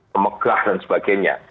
pemegah dan sebagainya